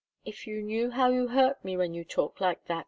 "If you knew how you hurt me, when you talk like that!"